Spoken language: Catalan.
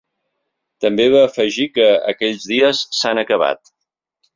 També va afegir que "aquells dies s'han acabat".